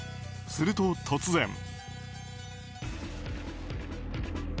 すると突然。